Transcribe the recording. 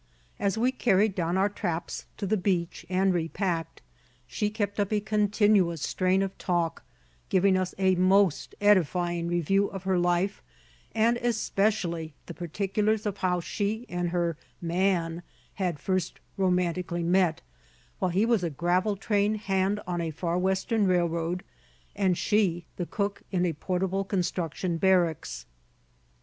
As we carried down our traps to the beach and repacked, she kept up a continuous strain of talk, giving us a most edifying review of her life, and especially the particulars of how she and her "man" had first romantically met, while he was a gravel train hand on a far western railroad, and she the cook in a portable construction barracks.